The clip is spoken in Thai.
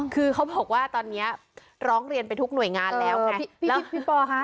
คือเขาบอกว่าตอนนี้ร้องเรียนไปทุกหน่วยงานแล้วค่ะ